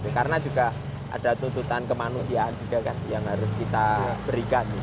karena juga ada tuntutan kemanusiaan juga yang harus kita berikan